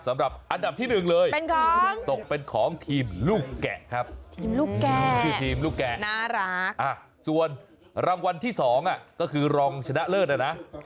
สำหรับอันดับที่๑เลยเป็นของเป็นของทีมลูกแกครับมากส่วนรางวัลที่๒อ่ะก็คือรองแหละนะครับ